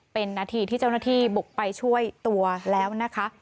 เป็นนาทีที่เจ้าหน้าที่บุกไปช่วยตัวแล้วนะคะ